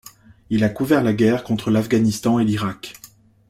Il a couvert la guerre contre l'Afghanistan et l'Irak.